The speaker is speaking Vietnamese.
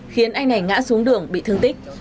khiến anh này ngã xuống đường bị thương tích